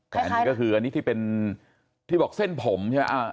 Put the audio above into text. แต่อันนี้ก็คืออันนี้ที่เป็นที่บอกเส้นผมใช่ไหม